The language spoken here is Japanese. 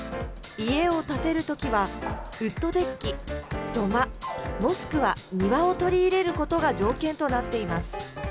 家を建てるときは、ウッドデッキ、土間、もしくは庭を取り入れることが条件となっています。